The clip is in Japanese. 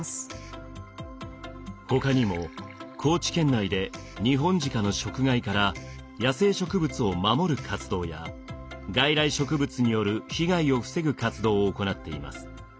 ほかにも高知県内でニホンジカの食害から野生植物を守る活動や外来植物による被害を防ぐ活動を行っています。